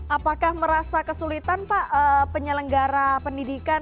apakah merasa kesulitan pak penyelenggara pendidikan